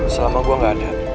selama gue gak ada